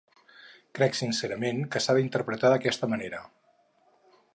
Crec sincerament que s’ha d’interpretar d’aquesta manera.